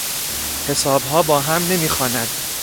حسابها با هم نمیخواند.